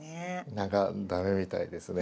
何か駄目みたいですね。